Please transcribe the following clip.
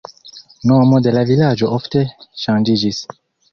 Nomo de la vilaĝo ofte ŝanĝiĝis.